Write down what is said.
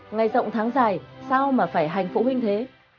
ngày rộng tháng dài sao mà phải hành phụ huynh thế